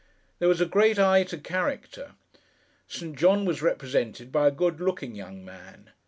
There was a great eye to character. St. John was represented by a good looking young man.